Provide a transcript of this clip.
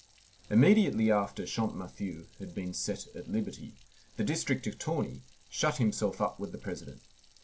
Immediately after Champmathieu had been set at liberty, the district attorney shut himself up with the President.